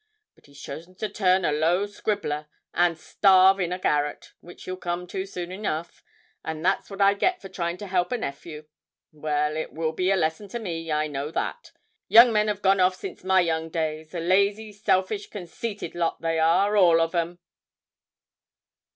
But he's chosen to turn a low scribbler, and starve in a garret, which he'll come to soon enough, and that's what I get for trying to help a nephew. Well, it will be a lesson to me, I know that. Young men have gone off since my young days; a lazy, selfish, conceited lot they are, all of 'em.'